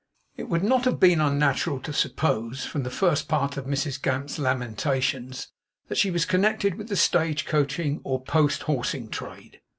It would not have been unnatural to suppose, from the first part of Mrs Gamp's lamentations, that she was connected with the stage coaching or post horsing trade.